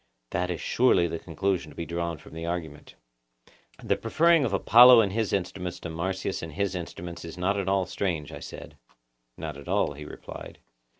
That is surely the conclusion to be drawn from the argument. The preferring of Apollo and his instruments to Marsyas and his instruments is not at all strange, I said. Not at all, he replied.